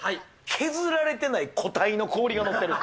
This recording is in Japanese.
削られてない固体の氷が載ってる。